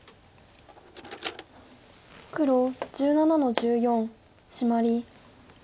黒１７の十四シマリ。